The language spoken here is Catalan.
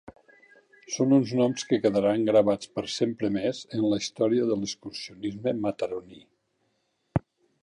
Són uns noms que quedaran gravats per sempre més en la història de l’excursionisme mataroní.